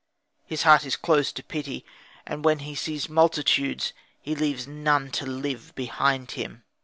His heart is closed to pity; and when he sees multitudes, he leaves none to live behind him.